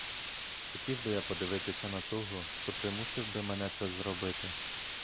Хотів би я подивитись на того, хто примусив би мене це зробити!